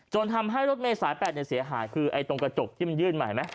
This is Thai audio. จนทำให้รถเมย์สาย๘เสียหายคือตรงกระจกที่มันยื่นไหม